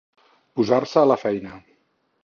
Posar-se a la feina.